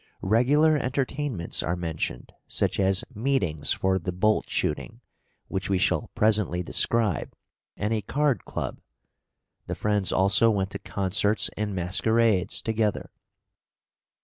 Regular entertainments are mentioned, such as meetings for the bolt shooting which we shall presently describe, and a card club; the friends also went to concerts and masquerades together.